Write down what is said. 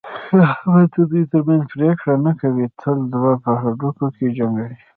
احمد د دوو ترمنځ پرېکړه نه کوي، تل دوه په هډوکي جنګوي.